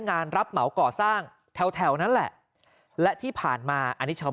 งานรับเหมาก่อสร้างแถวแถวนั้นแหละและที่ผ่านมาอันนี้ชาว